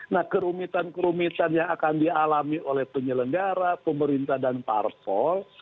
nah kerumitan kerumitan yang akan dialami oleh penyelenggara pemerintah dan parpol